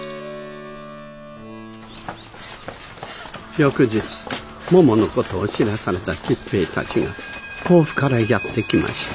翌日ももの事を知らされた吉平たちが甲府からやって来ました。